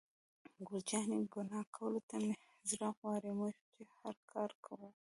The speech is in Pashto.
ګل جانې: ګناه کولو ته مې زړه غواړي، موږ چې هر کار کوو.